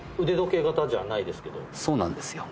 そうなんですよ。